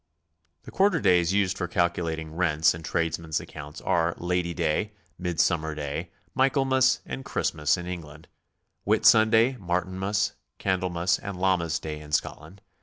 The quarter days used for calcu lating rents and tradesmen's accounts are Lady Day, Mid summer Day, Michaelmas and Christmas in England; Whit sunday, Martinmas, Candlemas and Lammas Day in Scot land.